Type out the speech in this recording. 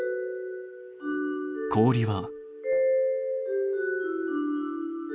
氷は？